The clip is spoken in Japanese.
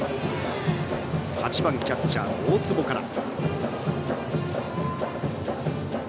８番キャッチャーの大坪から。